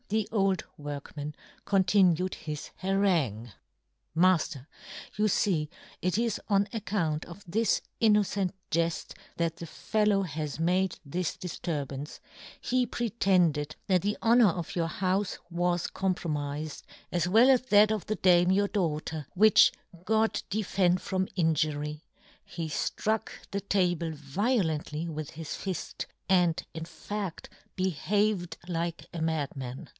The old workman continued his harangue. " Mafter, you fee, it is on account " of this innocent jeft that the fellow yohn Gutenberg. 19 * has made this difturbance ; he pre ' tended that the honour of your ' houfe was compromifed, as well as * that of the dame, your daughter, ' which God defend from injury ; he ' ftruck the table violently with his * fift, and, in fadl, behaved like a ' madman.